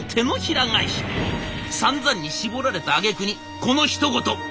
さんざんに絞られたあげくにこのひと言。